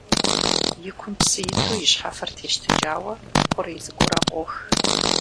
И кум псы иту, и щхьэфэр тещтыкӀауэ, хъурей цӀыкӀуурэ къох.